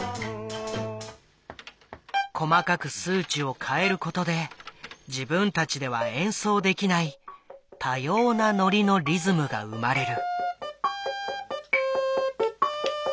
細かく数値を変えることで自分たちでは演奏できない多様なノリのリズムが生まれる。